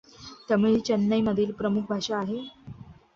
तमिळ ही चेन्नई मधील प्रमुख भाषा आहे.